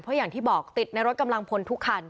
เพราะอย่างที่บอกติดในรถกำลังพลทุกคัน